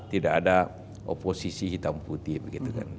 tidak ada oposisi hitam putih begitu kan